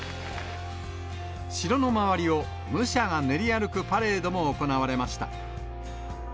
城の周りを武者が練り歩くパレードも行われました。